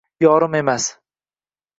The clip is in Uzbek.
Yorim emas